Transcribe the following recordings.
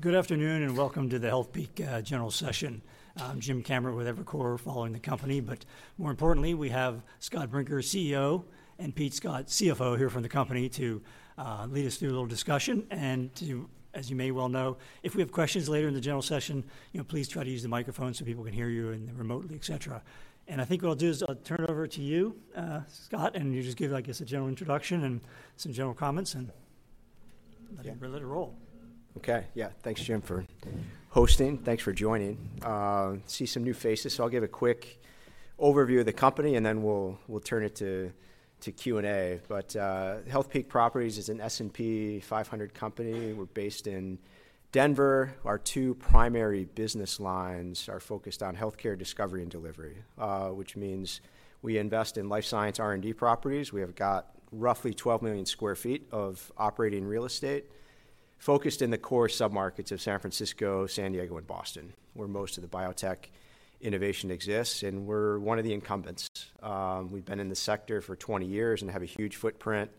Good afternoon, and welcome to the Healthpeak general session. I'm James Kammert with Evercore, following the company, but more importantly, we have Scott Brinker, CEO, and Pete Scott, CFO, here from the company to lead us through a little discussion. As you may well know, if we have questions later in the general session, you know, please try to use the microphone so people can hear you remotely, et cetera. I think what I'll do is I'll turn it over to you, Scott, and you just give, I guess, a general introduction and some general comments, and Yeah Let it roll. Okay. Yeah. Thanks, Jim, for hosting. Thanks for joining. I see some new faces, so I'll give a quick overview of the company, and then we'll turn it to Q&A. But Healthpeak Properties is an S&P 500 company. We're based in Denver. Our two primary business lines are focused on healthcare discovery and delivery, which means we invest in life science R&D properties. We have got roughly 12 million sq ft of operating real estate focused in the core submarkets of San Francisco, San Diego, and Boston, where most of the biotech innovation exists, and we're one of the incumbents. We've been in the sector for 20 years and have a huge footprint,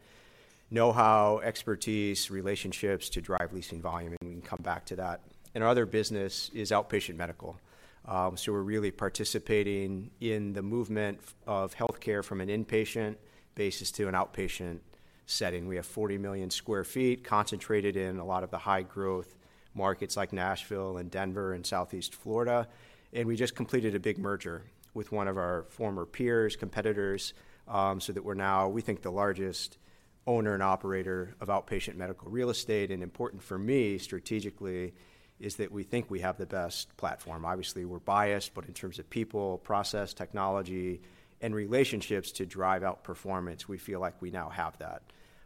know-how, expertise, relationships to drive leasing volume, and we can come back to that. And our other business is outpatient medical. So we're really participating in the movement of healthcare from an inpatient basis to an outpatient setting. We have 40 million sq ft concentrated in a lot of the high-growth markets like Nashville and Denver and Southeast Florida, and we just completed a big merger with one of our former peers, competitors, so that we're now, we think, the largest owner and operator of outpatient medical real estate. And important for me, strategically, is that we think we have the best platform. Obviously, we're biased, but in terms of people, process, technology, and relationships to drive out performance, we feel like we now have that.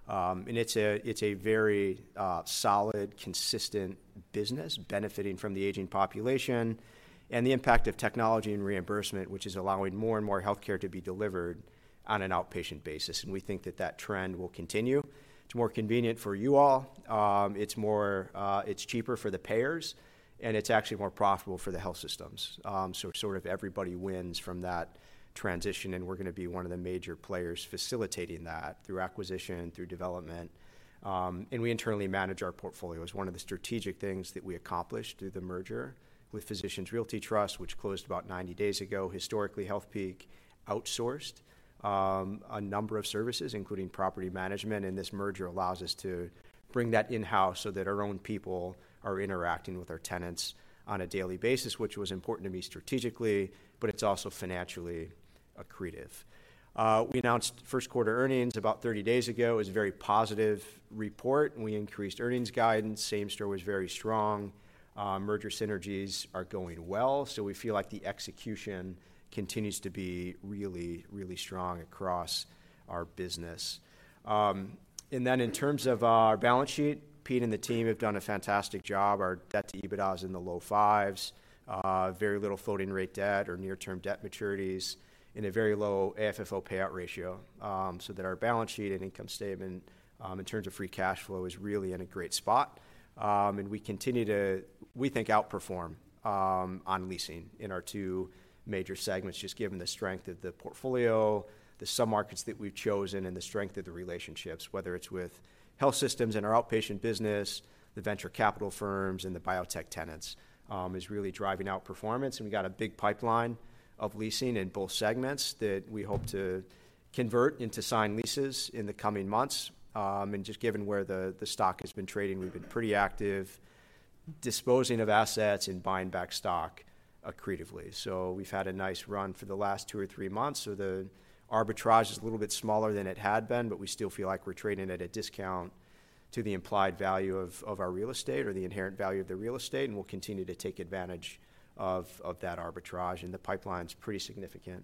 And it's a very solid, consistent business benefiting from the aging population and the impact of technology and reimbursement, which is allowing more and more healthcare to be delivered on an outpatient basis, and we think that that trend will continue. It's more convenient for you all, it's more, it's cheaper for the payers, and it's actually more profitable for the health systems. So sort of everybody wins from that transition, and we're gonna be one of the major players facilitating that through acquisition, through development, and we internally manage our portfolios. One of the strategic things that we accomplished through the merger with Physicians Realty Trust, which closed about 90 days ago, historically, Healthpeak outsourced, a number of services, including property management, and this merger allows us to bring that in-house so that our own people are interacting with our tenants on a daily basis, which was important to me strategically, but it's also financially accretive. We announced first quarter earnings about 30 days ago. It was a very positive report, and we increased earnings guidance. Same store was very strong. Merger synergies are going well, so we feel like the execution continues to be really, really strong across our business. And then in terms of our balance sheet, Pete and the team have done a fantastic job. Our debt to EBITDA is in the low 5s, very little floating rate debt or near-term debt maturities, and a very low AFFO payout ratio, so that our balance sheet and income statement, in terms of free cash flow, is really in a great spot. And we continue to, we think, outperform on leasing in our two major segments, just given the strength of the portfolio, the submarkets that we've chosen, and the strength of the relationships, whether it's with health systems in our outpatient business, the venture capital firms, and the biotech tenants, is really driving outperformance. And we got a big pipeline of leasing in both segments that we hope to convert into signed leases in the coming months. And just given where the, the stock has been trading, we've been pretty active, disposing of assets and buying back stock accretively. So we've had a nice run for the last two or three months, so the arbitrage is a little bit smaller than it had been, but we still feel like we're trading at a discount to the implied value of, of our real estate or the inherent value of the real estate, and we'll continue to take advantage of, of that arbitrage. And the pipeline's pretty significant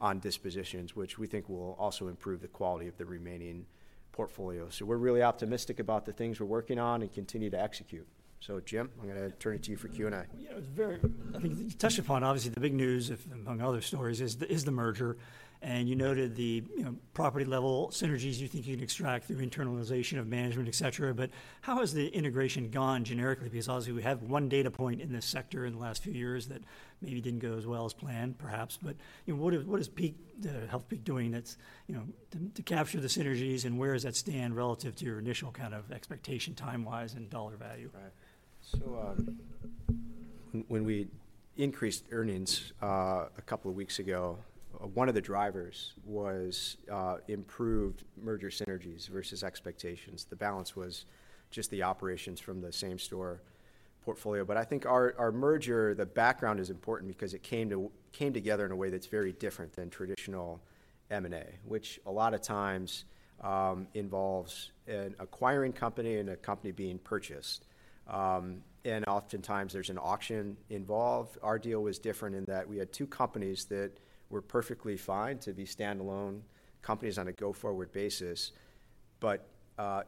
on dispositions, which we think will also improve the quality of the remaining portfolio. So we're really optimistic about the things we're working on and continue to execute. So, Jim, I'm gonna turn it to you for Q&A. Yeah, it's very-- I think you touched upon, obviously, the big news, if among other stories, is the merger, and you noted the, you know, property-level synergies you think you can extract through internalization of management, et cetera. But how has the integration gone generically? Because obviously, we have one data point in this sector in the last few years that maybe didn't go as well as planned, perhaps. But, you know, what is Healthpeak doing that's, you know, to capture the synergies, and where does that stand relative to your initial kind of expectation, time-wise and dollar value? Right. So, when we increased earnings a couple of weeks ago, one of the drivers was improved merger synergies versus expectations. The balance was just the operations from the same-store portfolio. But I think our merger, the background is important because it came together in a way that's very different than traditional M&A, which a lot of times involves an acquiring company and a company being purchased. And oftentimes, there's an auction involved. Our deal was different in that we had two companies that were perfectly fine to be standalone companies on a go-forward basis, but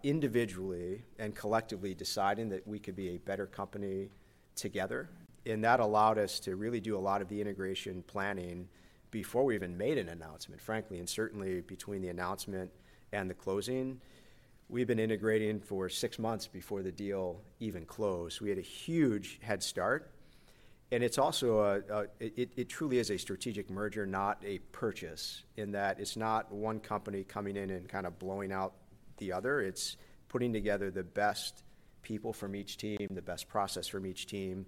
individually and collectively deciding that we could be a better company together. And that allowed us to really do a lot of the integration planning before we even made an announcement, frankly, and certainly between the announcement and the closing. We've been integrating for six months before the deal even closed. We had a huge head start. And it's also, it truly is a strategic merger, not a purchase, in that it's not one company coming in and kind of blowing out the other. It's putting together the best people from each team, the best process from each team.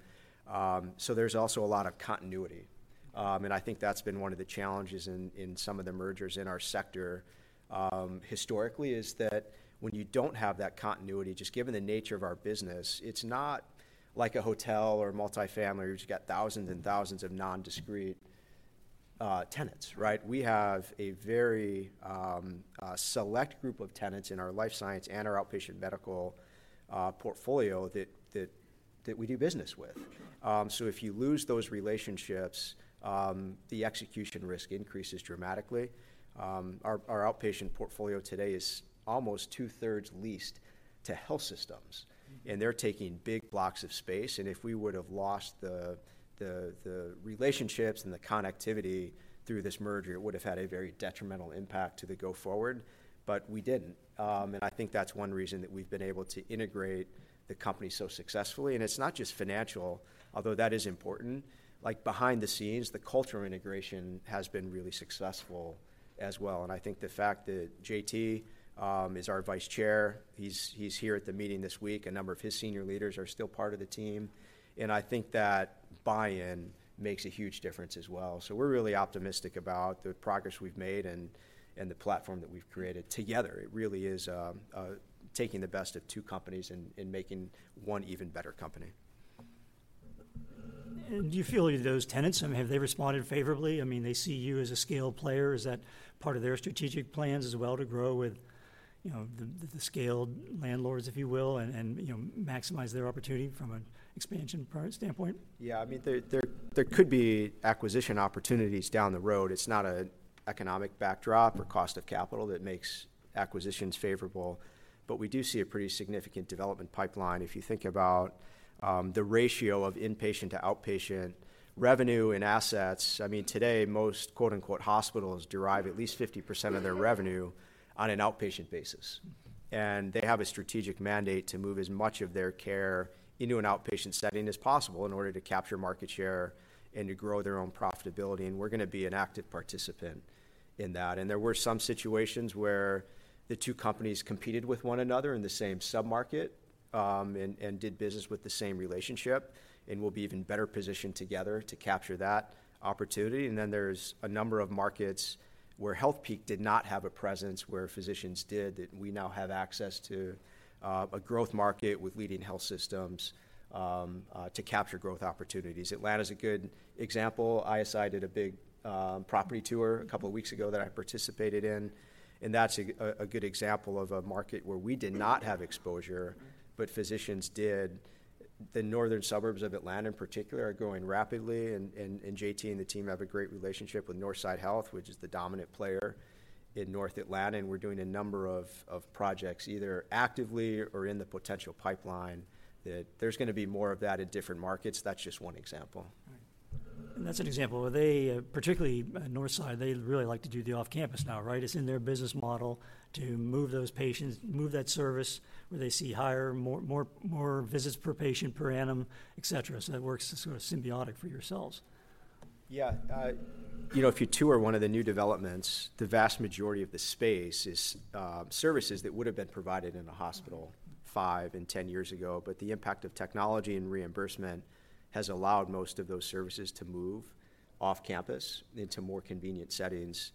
So there's also a lot of continuity. And I think that's been one of the challenges in some of the mergers in our sector, historically, is that when you don't have that continuity, just given the nature of our business, it's not like a hotel or multifamily, where you've just got thousands and thousands of nondiscrete tenants, right? We have a very select group of tenants in our life science and our outpatient medical portfolio that we do business with. So if you lose those relationships, the execution risk increases dramatically. Our outpatient portfolio today is almost two-thirds leased to health systems, and they're taking big blocks of space, and if we would've lost the relationships and the connectivity through this merger, it would've had a very detrimental impact to the go forward. But we didn't, and I think that's one reason that we've been able to integrate the company so successfully. And it's not just financial, although that is important. Like, behind the scenes, the cultural integration has been really successful as well, and I think the fact that JT is our Vice Chair, he's here at the meeting this week. A number of his senior leaders are still part of the team, and I think that buy-in makes a huge difference as well. So we're really optimistic about the progress we've made and the platform that we've created together. It really is taking the best of two companies and making one even better company. Do you feel like those tenants, I mean, have they responded favorably? I mean, they see you as a scale player. Is that part of their strategic plans as well, to grow with, you know, the, the scaled landlords, if you will, and, and, you know, maximize their opportunity from an expansion pers-- standpoint? Yeah, I mean, there could be acquisition opportunities down the road. It's not an economic backdrop or cost of capital that makes acquisitions favorable, but we do see a pretty significant development pipeline. If you think about the ratio of inpatient to outpatient revenue and assets, I mean, today, most, quote-unquote, hospitals derive at least 50% of their revenue on an outpatient basis, and they have a strategic mandate to move as much of their care into an outpatient setting as possible in order to capture market share and to grow their own profitability, and we're gonna be an active participant in that. And there were some situations where the two companies competed with one another in the same submarket, and did business with the same relationship and will be even better positioned together to capture that opportunity. And then, there's a number of markets where Healthpeak did not have a presence, where Physicians did, that we now have access to, a growth market with leading health systems, to capture growth opportunities. Atlanta's a good example. ISI did a big property tour a couple weeks ago that I participated in, and that's a good example of a market where we did not have exposure, but Physicians did. The northern suburbs of Atlanta, in particular, are growing rapidly, and JT and the team have a great relationship with Northside Hospital, which is the dominant player in North Atlanta, and we're doing a number of projects, either actively or in the potential pipeline, that there's gonna be more of that in different markets. That's just one example. Right. And that's an example, where they, particularly Northside, they'd really like to do the off-campus now, right? It's in their business model to move those patients, move that service, where they see higher, more visits per patient per annum, et cetera, so that works as sort of symbiotic for yourselves. Yeah. You know, if you tour one of the new developments, the vast majority of the space is services that would've been provided in a hospital five and ten years ago, but the impact of technology and reimbursement has allowed most of those services to move off-campus into more convenient settings.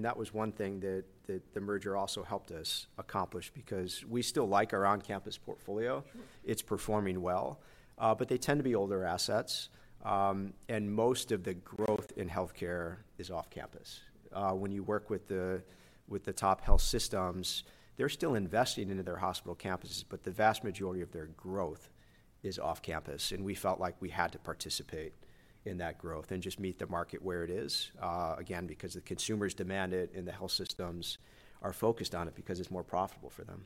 That was one thing that the merger also helped us accomplish because we still like our on-campus portfolio. It's performing well, but they tend to be older assets, and most of the growth in healthcare is off-campus. When you work with the top health systems, they're still investing into their hospital campuses, but the vast majority of their growth is off-campus, and we felt like we had to participate in that growth and just meet the market where it is, again, because the consumers demand it, and the health systems are focused on it because it's more profitable for them.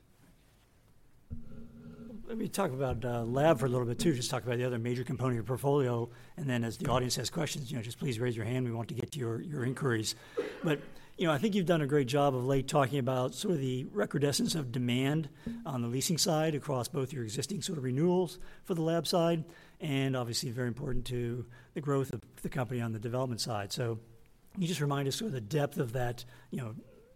Let me talk about lab for a little bit, too, just talk about the other major component of your portfolio, and then as the audience has questions, you know, just please raise your hand. We want to get to your inquiries. But, you know, I think you've done a great job of late talking about sort of the record essence of demand on the leasing side, across both your existing sort of renewals for the lab side and obviously very important to the growth of the company on the development side. So can you just remind us sort of the depth of that, you know,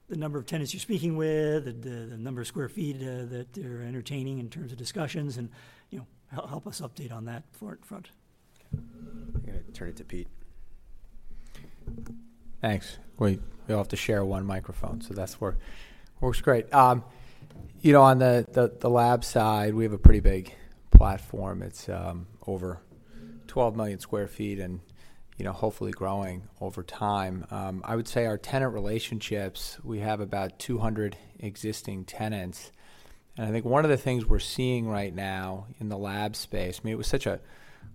the number of tenants you're speaking with, the number of square feet that you're entertaining in terms of discussions, and, you know, help us update on that front. I'm gonna turn it to Pete. Thanks. We all have to share one microphone, so that works great. You know, on the lab side, we have a pretty big platform. It's over 12 million sq ft and, you know, hopefully growing over time. I would say our tenant relationships, we have about 200 existing tenants, and I think one of the things we're seeing right now in the lab space. I mean, it was such a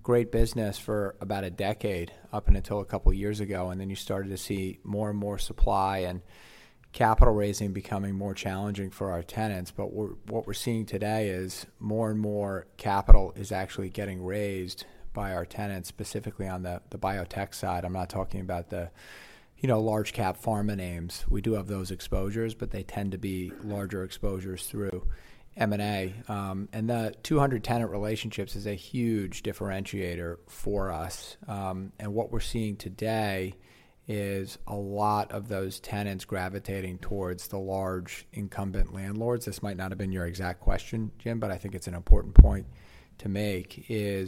great business for about a decade, up until a couple years ago, and then you started to see more and more supply and capital raising becoming more challenging for our tenants, but what we're seeing today is more and more capital is actually getting raised by our tenants, specifically on the biotech side. I'm not talking about the, you know, large cap pharma names. We do have those exposures, but they tend to be larger exposures through M&A. The 200 tenant relationships is a huge differentiator for us. What we're seeing today is a lot of those tenants gravitating towards the large incumbent landlords. This might not have been your exact question, Jim, but I think it's an important point to make, you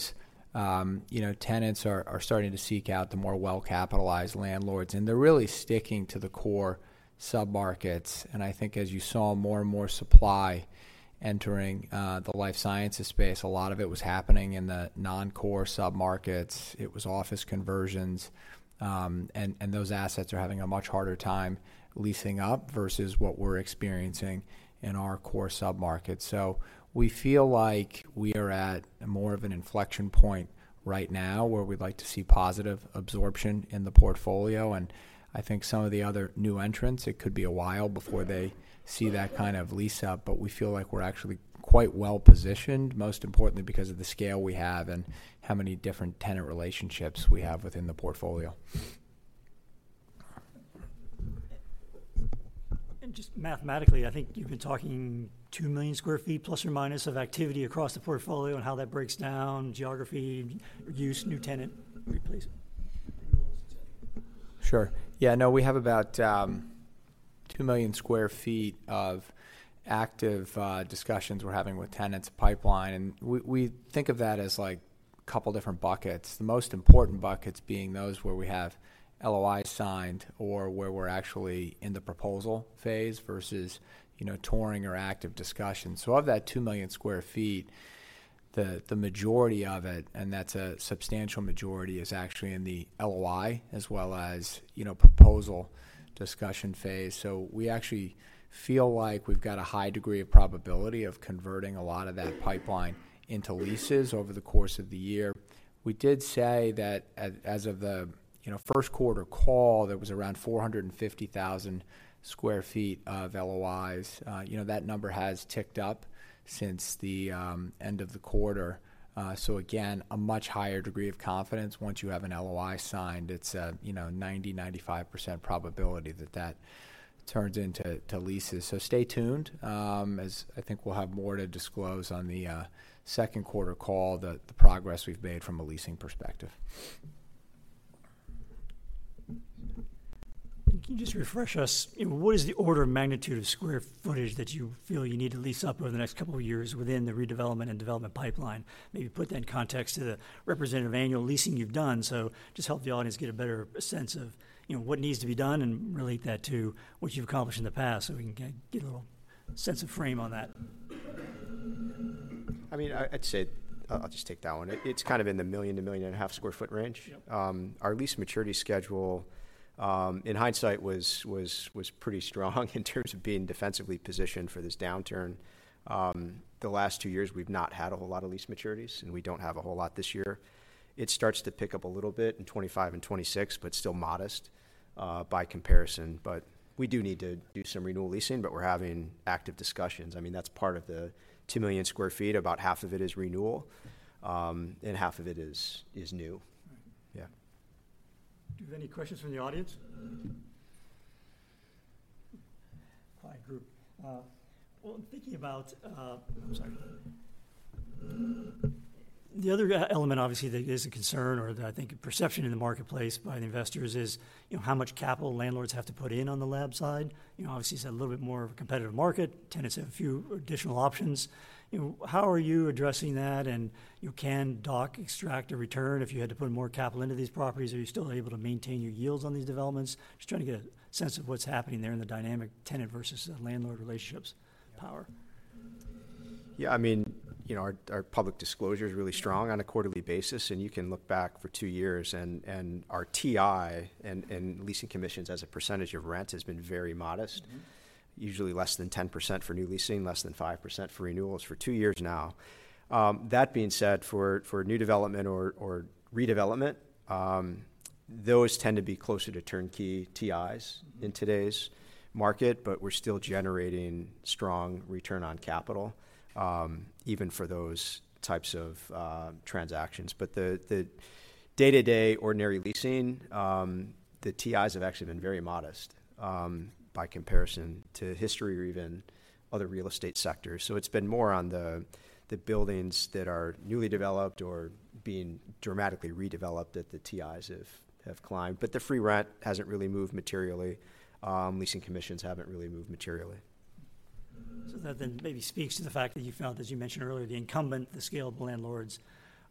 know, tenants are starting to seek out the more well-capitalized landlords, and they're really sticking to the core submarkets. I think as you saw more and more supply entering the life sciences space, a lot of it was happening in the non-core submarkets. It was office conversions, and those assets are having a much harder time leasing up versus what we're experiencing in our core submarkets. So we feel like we are at more of an inflection point right now, where we'd like to see positive absorption in the portfolio, and I think some of the other new entrants, it could be a while before they see that kind of lease up. But we feel like we're actually quite well-positioned, most importantly, because of the scale we have and how many different tenant relationships we have within the portfolio. Just mathematically, I think you've been talking two million sq ft, ±, of activity across the portfolio and how that breaks down, geography, use, new tenant replacement. Sure. Yeah, no, we have about two million sq ft of active discussions we're having with tenants pipeline, and we think of that as, like, a couple different buckets. The most important buckets being those where we have LOI signed or where we're actually in the proposal phase versus, you know, touring or active discussion. So of that two million sq ft, the majority of it, and that's a substantial majority, is actually in the LOI as well as, you know, proposal discussion phase. So we actually feel like we've got a high degree of probability of converting a lot of that pipeline into leases over the course of the year. We did say that as of the, you know, first quarter call, there was around 450,000 sq ft of LOIs. You know, that number has ticked up since the end of the quarter. So again, a much higher degree of confidence. Once you have an LOI signed, it's a, you know, 90%-95% probability that that turns into to leases. So stay tuned, as I think we'll have more to disclose on the second quarter call, the progress we've made from a leasing perspective. Can you just refresh us, what is the order of magnitude of sq ft that you feel you need to lease up over the next couple of years within the redevelopment and development pipeline? Maybe put that in context to the representative annual leasing you've done, so just help the audience get a better sense of, you know, what needs to be done and relate that to what you've accomplished in the past, so we can get a little sense of frame on that. I mean, I, I'd say... I'll just take that one. It's kind of in the 1 million-1.5 million sq ft range. Yep. Our lease maturity schedule, in hindsight, was pretty strong in terms of being defensively positioned for this downturn. The last two years, we've not had a whole lot of lease maturities, and we don't have a whole lot this year. It starts to pick up a little bit in 2025 and 2026, but still modest, by comparison. But we do need to do some renewal leasing, but we're having active discussions. I mean, that's part of the two million sq ft. About half of it is renewal, and half of it is new. Right. Yeah. Do you have any questions from the audience? Quiet group. The other element, obviously, that is a concern or that I think a perception in the marketplace by the investors is, you know, how much capital landlords have to put in on the lab side. You know, obviously, it's a little bit more of a competitive market. Tenants have a few additional options. You know, how are you addressing that? And, you know, can you extract a return if you had to put more capital into these properties? Are you still able to maintain your yields on these developments? Just trying to get a sense of what's happening there in the dynamic tenant versus landlord relationships power. Yeah, I mean, you know, our public disclosure is really strong on a quarterly basis, and you can look back for two years and our TI and leasing commissions as a percentage of rent has been very modest- Mm-hmm. Usually less than 10% for new leasing, less than 5% for renewals for two years now. That being said, for new development or redevelopment, those tend to be closer to turnkey TIs. Mm-hmm. - in today's market, but we're still generating strong return on capital, even for those types of transactions. But the day-to-day ordinary leasing, the TIs have actually been very modest, by comparison to history or even other real estate sectors. So it's been more on the buildings that are newly developed or being dramatically redeveloped, that the TIs have climbed, but the free rent hasn't really moved materially. Leasing commissions haven't really moved materially. ... So that then maybe speaks to the fact that you found, as you mentioned earlier, the incumbent, the scaled landlords,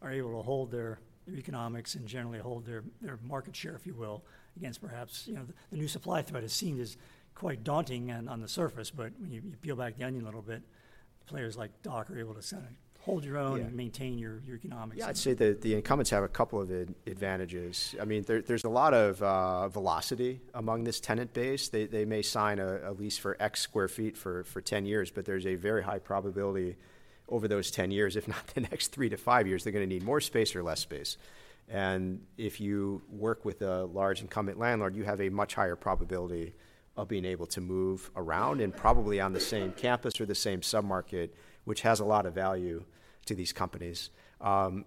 are able to hold their, their economics and generally hold their, their market share, if you will, against perhaps, you know... The new supply threat is seen as quite daunting on, on the surface, but when you, you peel back the onion a little bit, players like DOC are able to kinda hold your own- Yeah. -and maintain your economics. Yeah, I'd say that the incumbents have a couple of advantages. I mean, there's a lot of velocity among this tenant base. They may sign a lease for X square feet for 10 years, but there's a very high probability over those 10 years, if not the next three-five years, they're gonna need more space or less space. And if you work with a large incumbent landlord, you have a much higher probability of being able to move around and probably on the same campus or the same submarket, which has a lot of value to these companies.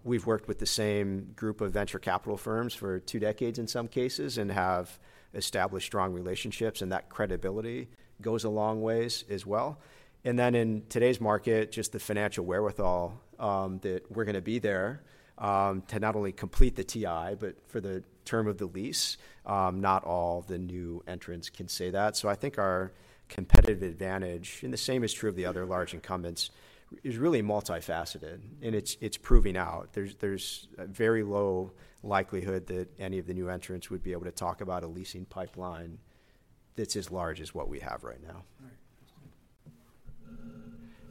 We've worked with the same group of venture capital firms for 2 decades in some cases and have established strong relationships, and that credibility goes a long ways as well. And then in today's market, just the financial wherewithal that we're gonna be there to not only complete the TI, but for the term of the lease. Not all the new entrants can say that. So I think our competitive advantage, and the same is true of the other large incumbents, is really multifaceted, and it's, it's proving out. There's, there's a very low likelihood that any of the new entrants would be able to talk about a leasing pipeline that's as large as what we have right now. Right.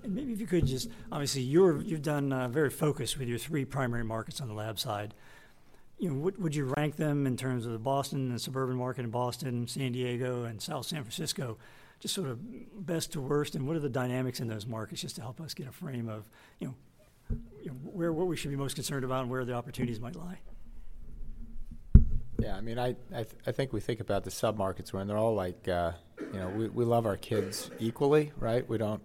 And maybe if you could just, obviously, you've done very focused with your three primary markets on the lab side. You know, would you rank them in terms of the Boston, the suburban market in Boston, San Diego, and South San Francisco, just sort of best to worst? And what are the dynamics in those markets, just to help us get a frame of, you know, where, what we should be most concerned about and where the opportunities might lie? Yeah, I mean, I think we think about the submarkets, and they're all like, you know, we, we love our kids equally, right? We don't,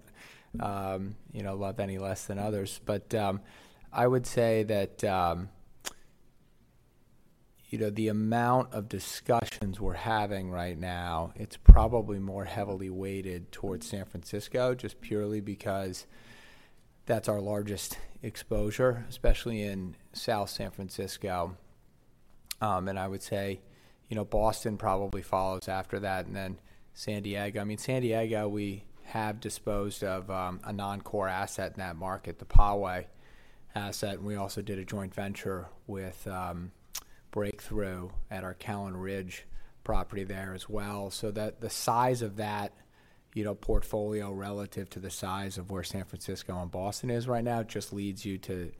you know, love any less than others. But, I would say that, you know, the amount of discussions we're having right now, it's probably more heavily weighted towards San Francisco, just purely because that's our largest exposure, especially in South San Francisco. And I would say, you know, Boston probably follows after that, and then San Diego. I mean, San Diego, we have disposed of, a non-core asset in that market, the Poway asset, and we also did a joint venture with, Breakthrough at our Callan Ridge property there as well. So that the size of that, you know, portfolio relative to the size of where San Francisco and Boston is right now, just leads you to,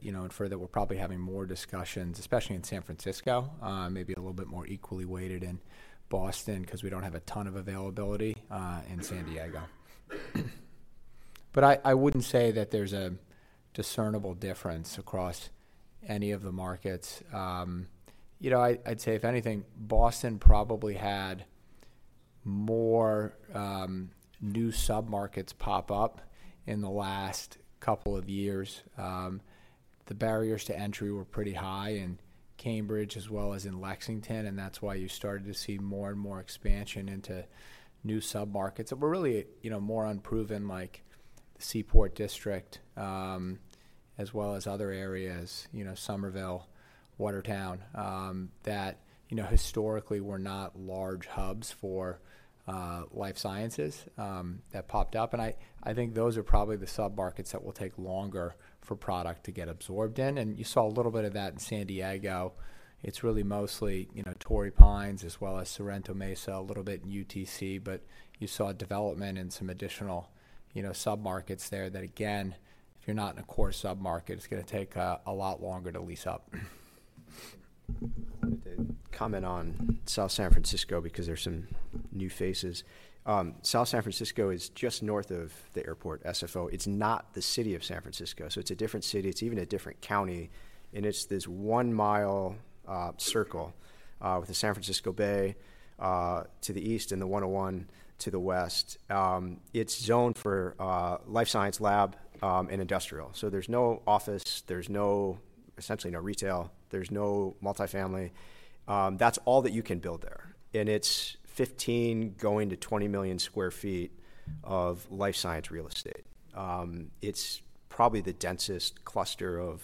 you know, infer that we're probably having more discussions, especially in San Francisco, maybe a little bit more equally weighted in Boston, 'cause we don't have a ton of availability in San Diego. But I wouldn't say that there's a discernible difference across any of the markets. You know, I'd say, if anything, Boston probably had more new submarkets pop up in the last couple of years. The barriers to entry were pretty high in Cambridge, as well as in Lexington, and that's why you started to see more and more expansion into new submarkets. But really, you know, more unproven, like the Seaport District, as well as other areas, you know, Somerville, Watertown, that, you know, historically were not large hubs for, life sciences, that popped up. And I think those are probably the submarkets that will take longer for product to get absorbed in, and you saw a little bit of that in San Diego. It's really mostly, you know, Torrey Pines, as well as Sorrento Mesa, a little bit in UTC, but you saw development in some additional, you know, submarkets there that, again, if you're not in a core submarket, it's gonna take, a lot longer to lease up. I wanted to comment on South San Francisco because there are some new faces. South San Francisco is just north of the airport, SFO. It's not the city of San Francisco, so it's a different city. It's even a different county, and it's this one-mile circle with the San Francisco Bay to the east and the 101 to the west. It's zoned for life science lab and industrial. So there's no office, there's essentially no retail, there's no multifamily. That's all that you can build there, and it's 15-20 million sq ft of life science real estate. It's probably the densest cluster of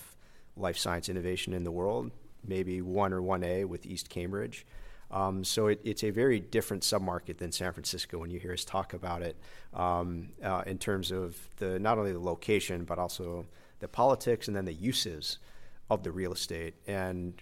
life science innovation in the world, maybe one or 1A with East Cambridge. So it, it's a very different submarket than San Francisco when you hear us talk about it in terms of the, not only the location, but also the politics and then the uses of the real estate.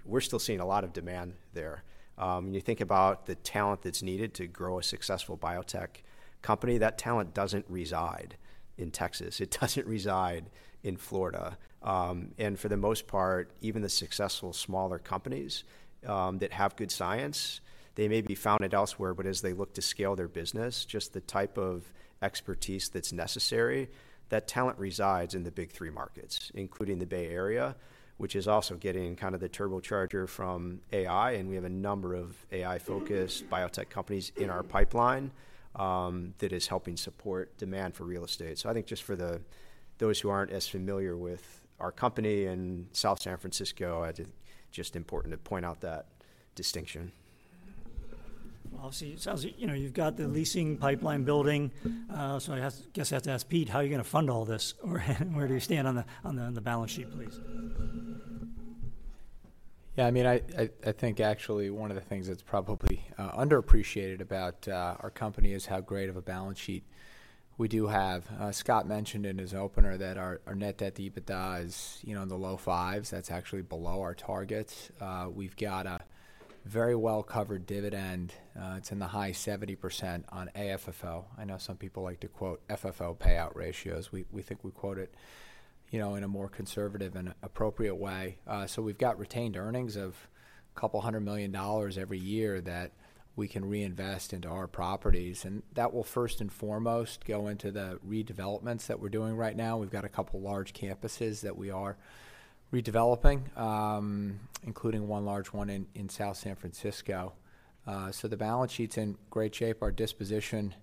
We're still seeing a lot of demand there. When you think about the talent that's needed to grow a successful biotech company, that talent doesn't reside in Texas. It doesn't reside in Florida. For the most part, even the successful smaller companies that have good science, they may be founded elsewhere, but as they look to scale their business, just the type of expertise that's necessary, that talent resides in the big three markets, including the Bay Area, which is also getting kind of the turbocharger from AI, and we have a number of AI-focused biotech companies in our pipeline that is helping support demand for real estate. I think just for those who aren't as familiar with our company in South San Francisco, I think just important to point out that distinction. Well, obviously, it sounds like, you know, you've got the leasing pipeline building, so I guess I have to ask Pete, how are you gonna fund all this? Or where do you stand on the balance sheet, please?... Yeah, I mean, I think actually one of the things that's probably underappreciated about our company is how great of a balance sheet we do have. Scott mentioned in his opener that our net debt to EBITDA is, you know, in the low fives. That's actually below our targets. We've got a very well-covered dividend. It's in the high 70% on AFFO. I know some people like to quote FFO payout ratios. We think we quote it, you know, in a more conservative and appropriate way. So we've got retained earnings of $200 million every year that we can reinvest into our properties, and that will first and foremost go into the redevelopments that we're doing right now. We've got a couple large campuses that we are redeveloping, including one large one in South San Francisco. So the balance sheet's in great shape. Our disposition,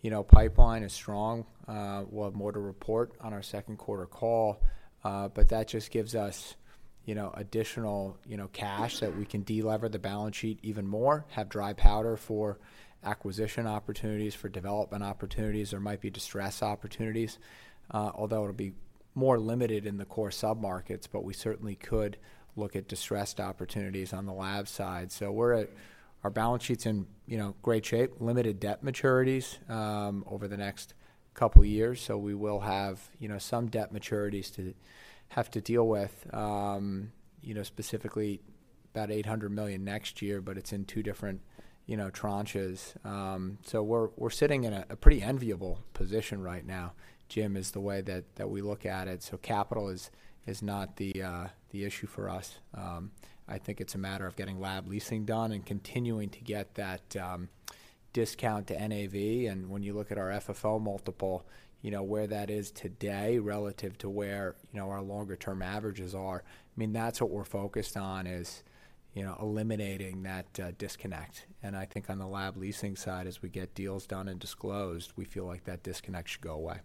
you know, pipeline is strong. We'll have more to report on our second quarter call, but that just gives us, you know, additional, you know, cash that we can de-lever the balance sheet even more, have dry powder for acquisition opportunities, for development opportunities. There might be distress opportunities, although it'll be more limited in the core submarkets, but we certainly could look at distressed opportunities on the lab side. So we're at our balance sheet's in, you know, great shape, limited debt maturities, over the next couple years, so we will have, you know, some debt maturities to have to deal with. You know, specifically, about $800 million next year, but it's in two different, you know, tranches. So we're sitting in a pretty enviable position right now, Jim, is the way that we look at it, so capital is not the issue for us. I think it's a matter of getting lab leasing done and continuing to get that discount to NAV. And when you look at our FFO multiple, you know, where that is today relative to where, you know, our longer term averages are, I mean, that's what we're focused on is, you know, eliminating that disconnect. And I think on the lab leasing side, as we get deals done and disclosed, we feel like that disconnect should go away.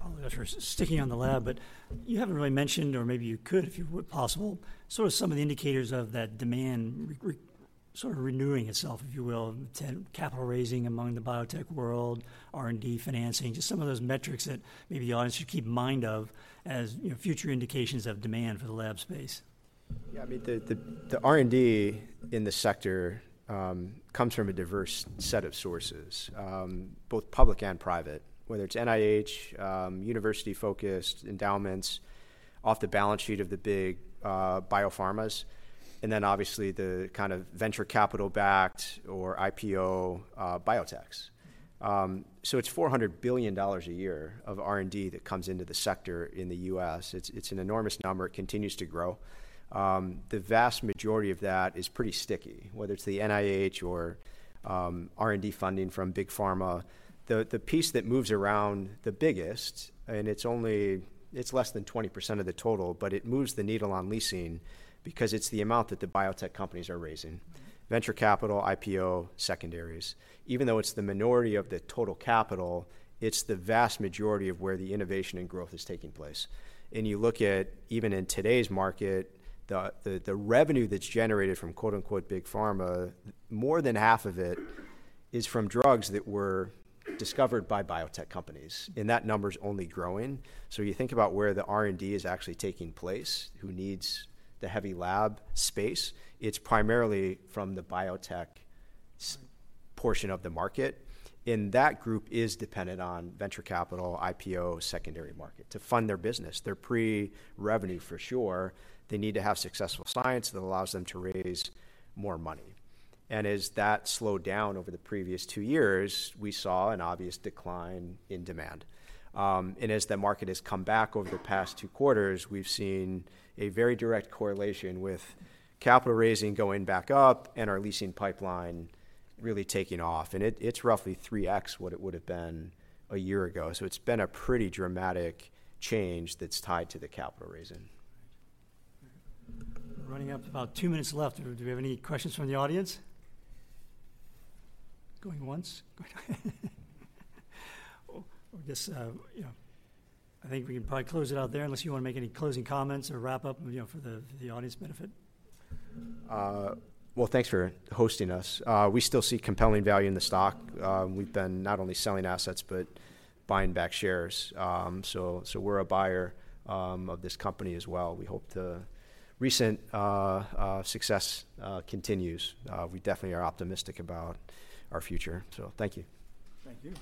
Apologize for sticking on the lab, but you haven't really mentioned, or maybe you could, if you would, possible, sort of, some of the indicators of that demand renewing itself, if you will, to capital raising among the biotech world, R&D financing, just some of those metrics that maybe the audience should keep in mind of, as, you know, future indications of demand for the lab space. Yeah, I mean, the R&D in the sector comes from a diverse set of sources, both public and private, whether it's NIH, university-focused endowments, off the balance sheet of the big biopharmas, and then obviously, the kind of venture capital-backed or IPO biotechs. So it's $400 billion a year of R&D that comes into the sector in the U.S. It's an enormous number. It continues to grow. The vast majority of that is pretty sticky, whether it's the NIH or R&D funding from Big Pharma. The piece that moves around the biggest, and it's only. It's less than 20% of the total, but it moves the needle on leasing because it's the amount that the biotech companies are raising: venture capital, IPO, secondaries. Even though it's the minority of the total capital, it's the vast majority of where the innovation and growth is taking place. And you look at, even in today's market, the revenue that's generated from, quote-unquote, "Big Pharma," more than half of it is from drugs that were discovered by biotech companies, and that number's only growing. So you think about where the R&D is actually taking place, who needs the heavy lab space? It's primarily from the biotech portion of the market, and that group is dependent on venture capital, IPO, secondary market to fund their business. They're pre-revenue for sure. They need to have successful science that allows them to raise more money. And as that slowed down over the previous two years, we saw an obvious decline in demand. As the market has come back over the past two quarters, we've seen a very direct correlation with capital raising going back up and our leasing pipeline really taking off, and it's roughly 3x what it would have been a year ago. So it's been a pretty dramatic change that's tied to the capital raising. Running up to about 2 minutes left. Do we have any questions from the audience? Going once. I guess, you know, I think we can probably close it out there, unless you want to make any closing comments or wrap up, you know, for the audience benefit. Well, thanks for hosting us. We still see compelling value in the stock. We've been not only selling assets, but buying back shares. So we're a buyer of this company as well. We hope the recent success continues. We definitely are optimistic about our future, so thank you. Thank you.